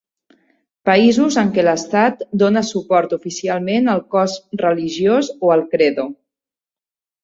Països en què l'estat dóna suport oficialment al cos religiós o al credo.